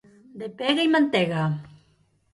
De pega i mantega.